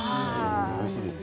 おいしいですよ。